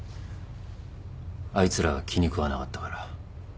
あいつらが気に食わなかったから。